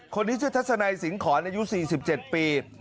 คนนี้ชื่อทัศนัยสิงหอนอายุ๔๗ปี